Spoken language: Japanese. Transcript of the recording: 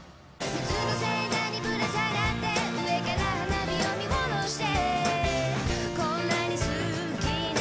「夏の星座にぶらさがって上から花火を見下ろして」